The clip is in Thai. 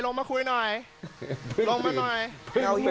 ลงมาคุยหน่อยลงมาหน่อย